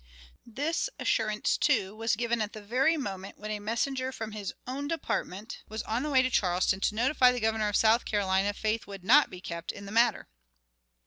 _" This assurance, too, was given at the very moment when a messenger from his own department was on the way to Charleston to notify the Governor of South Carolina that faith would not be kept in the matter.